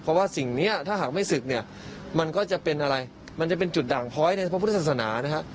เพราะว่าสิ่งนี้ถ้าหากไม่ศึกเนี่ยมันก็จะเป็นอะไรมันจะเป็นจุดด่างพ้อยในพระพุทธศาสนานะฮะ